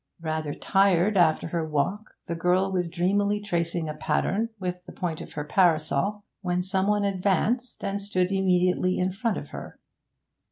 Rather tired after her walk, the girl was dreamily tracing a pattern with the point of her parasol, when some one advanced and stood immediately in front of her.